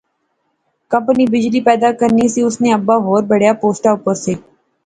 کمپنی بجلی پیدا کرنی سی، اس نے ابا ہور بڑیا پوسٹا اپر سے